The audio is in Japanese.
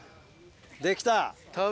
できた？